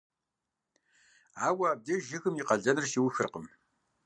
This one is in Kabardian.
Ауэ абдеж жыгхэм я къалэныр щиухыркъым.